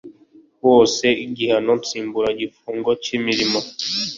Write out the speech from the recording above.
wose igihano nsimburagifungo cy imirimo